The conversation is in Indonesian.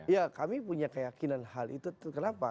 ya kami punya keyakinan hal itu kenapa